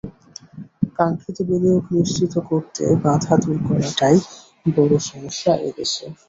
কাঙ্ক্ষিত বিনিয়োগ নিশ্চিত করতে বাধা দূর করাটাই বড় সমস্যা এ দেশে।